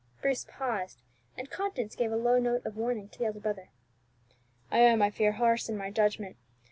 Bruce paused, and conscience gave a low note of warning to the elder brother. "I am, I fear, harsh in my judgment.